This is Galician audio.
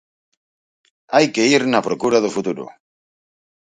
Hai que ir na procura do futuro.